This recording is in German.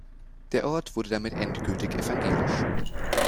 Der Ort wurde damit endgültig evangelisch.